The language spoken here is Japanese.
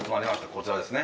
こちらですね。